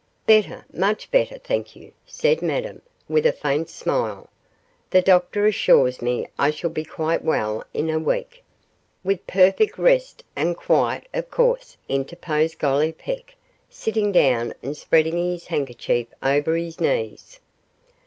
'Better, much better, thank you,' said Madame, with a faint smile; 'the doctor assures me I shall be quite well in a week.' 'With perfect rest and quiet, of course,' interposed Gollipeck, sitting down and spreading his handkerchief over his knees.